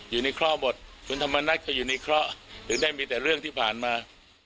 อยู่ในเคราะห์บทคุณธรรมนัฐเคยอยู่ในเคราะห์ถึงได้มีแต่เรื่องที่ผ่านมา